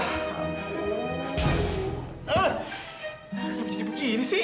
kenapa jadi begini sih